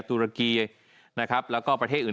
ตุรกีนะครับแล้วก็ประเทศอื่น